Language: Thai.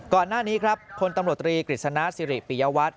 ก่อนหน้านี้ครับพลตำรวจตรีกฤษณะสิริปิยวัตร